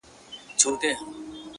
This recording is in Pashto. زما د ښار ځوان ـ